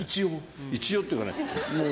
一応っていうか